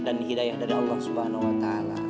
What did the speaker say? dan hidayah dari allah swt